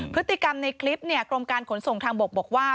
พฤติกรรมในคลิปกรมการขนส่งทางบกบอกว่า